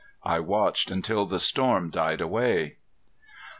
I watched until the storm died away.